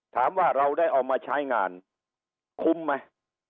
ถามว่าเราได้เอามาใช้งานคุ้มไหม